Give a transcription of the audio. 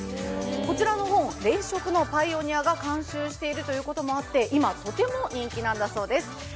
こちらの本、冷食のパイオニアが監修しているということもあって今、とても人気なんだそうです。